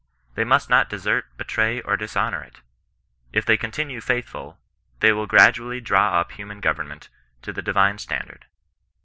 They must not desert, betray, or dishonour it. If they continue faithful they will gra dually draw up human government to the divine stand ard.